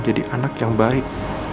jadi anak yang baik